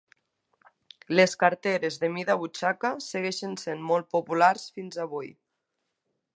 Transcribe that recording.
Les carteres de mida butxaca segueixen sent molt populars fins avui.